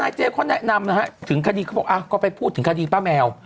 เจ๊เขาแนะนำนะฮะถึงคดีเขาบอกก็ไปพูดถึงคดีป้าแมว